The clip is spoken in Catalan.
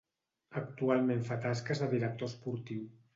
Actualment fa tasques de director esportiu.